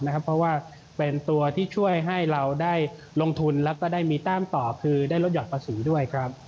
เพราะว่าเป็นตัวที่ช่วยให้เราได้ลงทุนแล้วก็ได้มีแต้มต่อคือได้ลดหยอดภาษีด้วยครับ